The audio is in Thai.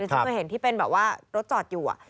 จะเคยเห็นแบบที่รถจอดอยู่